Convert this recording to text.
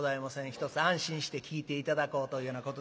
ひとつ安心して聴いて頂こうというようなことでございまして。